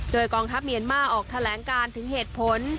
โดยกองทัพเมียนมาร์ออกแถลงการถึงเหตุผล